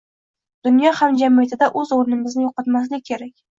Dunyo hamjamiyatida oʻz oʻrnimizni yoʻqotmaslik kerak